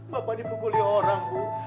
bapak dipukuli orang bu